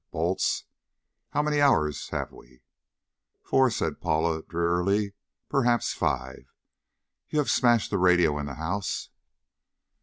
Bolts.... How many hours have we?" "Four," said Paula drearily. "Perhaps five. You have smashed the radio in the house?"